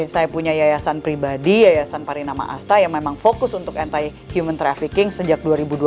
saya punya yayasan pribadi yayasan parinama asta yang memang fokus untuk anti human trafficking sejak dua ribu dua belas